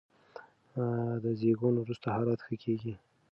د زېږون وروسته حالت ښه کېږي.